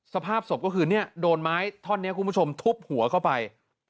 สภาพศพก็คือเนี่ยโดนไม้ท่อนนี้คุณผู้ชมทุบหัวเข้าไป